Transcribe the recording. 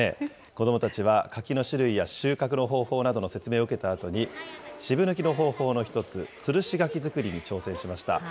子どもたちは、柿の種類や収穫の方法の説明を受けたあとに、渋抜きの方法の一つ、つるし柿作りに挑戦しました。